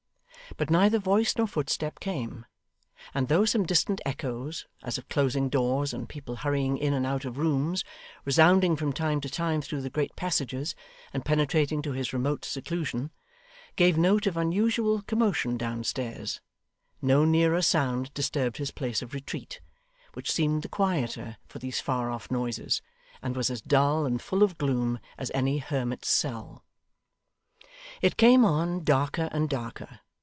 But neither voice nor footstep came; and though some distant echoes, as of closing doors and people hurrying in and out of rooms, resounding from time to time through the great passages, and penetrating to his remote seclusion, gave note of unusual commotion downstairs, no nearer sound disturbed his place of retreat, which seemed the quieter for these far off noises, and was as dull and full of gloom as any hermit's cell. It came on darker and darker.